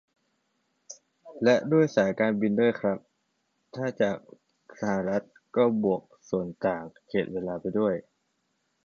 และด้วยสายการบินด้วยครับ ถ้าจากสหรัฐก็บวกส่วนต่างเขตเวลาไปด้วย